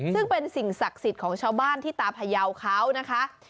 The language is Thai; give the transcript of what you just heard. ซึ่งเป็นสิ่งศักดิ์สิทธิ์ของชาวบ้านที่ตาพยาวเขานะคะ